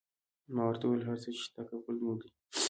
ما ورته وویل: هر څه چې شته قبول مو دي.